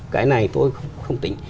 cái này tôi không tính